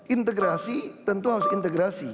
integrasi tentu harus integrasi